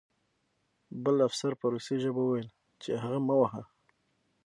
بل افسر په روسي ژبه وویل چې هغه مه وهه